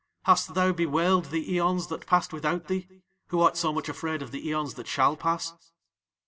Hast thou bewailed the aeons that passed without thee, who art so much afraid of the aeons that shall pass?"